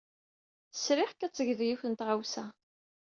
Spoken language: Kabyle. Sriɣ-k ad tged yiwet n tɣawsa.